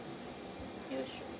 ・よいしょ。